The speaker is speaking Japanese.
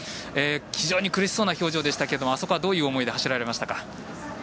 非常に苦しそうな表情でしたがあそこはどういう思いで走られましたか。